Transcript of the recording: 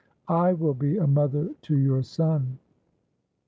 I will be a mother to your son!"